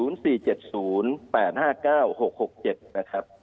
๘๕๙๖๖๗นะครับ